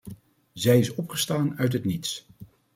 Zij is opgestaan uit het niets.